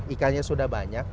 ikannya sudah banyak